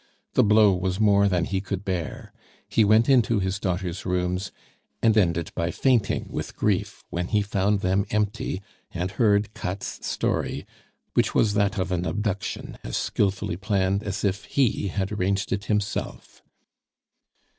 The blow was more than he could bear. He went into his daughter's rooms, and ended by fainting with grief when he found them empty, and heard Katt's story, which was that of an abduction as skilfully planned as if he had arranged it himself.